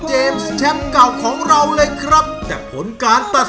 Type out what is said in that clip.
เกมแชมป์เก่าของเราเลยครับแต่ผลการตัด